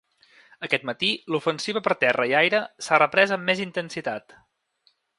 Aquest matí, l’ofensiva per terra i aire s’ha reprès amb més intensitat.